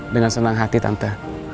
dengan senang hati tante